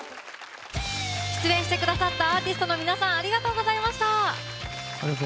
出演してくださったアーティストの皆さんありがとうございました。